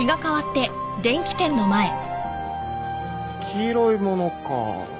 黄色いものか。